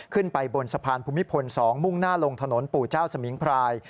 ขึ้นไปบนสะพานภูมิพล๒มุ่งหน้าลงถนนปู่เจ้าสมิงพราย